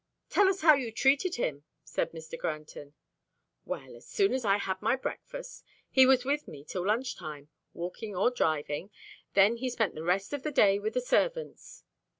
"Tell us how you treated him," said Mr. Granton. "Well, as soon as I had my breakfast, he was with me till lunch time, walking or driving, then he spent the rest of the day with the servants."